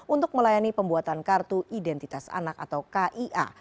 untuk melayani pembuatan kartu identitas anak atau kia